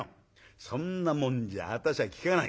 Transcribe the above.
「そんなもんじゃ私は効かない」。